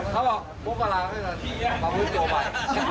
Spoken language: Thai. เขาบอกตู้ประหลาดให้ก่อนมาพูดโปรไบ